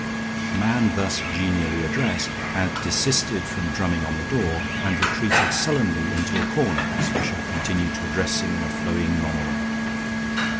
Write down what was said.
The man thus genially addressed had desisted from drumming on the door and retreated sullenly into a corner as Fisher continued to address him in a flowing monologue.